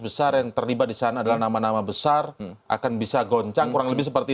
besar yang terlibat di sana adalah nama nama besar akan bisa goncang kurang lebih seperti